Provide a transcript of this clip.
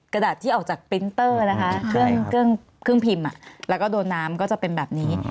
กระดาษที่ออกจากปรินเตอร์นะคะเครื่องพิมพ์แล้วก็โดนน้ำก็จะเป็นแบบนี้